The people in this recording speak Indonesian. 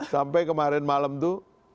sampai kemarin malam tuh